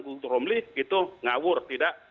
guntur romli itu ngawur tidak